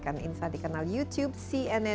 oke baiklah jangan laba